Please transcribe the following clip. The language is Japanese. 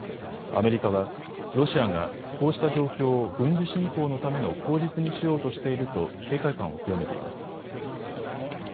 アメリカはロシアがこうした状況を軍事侵攻のための口実にしようとしていると警戒感を強めています。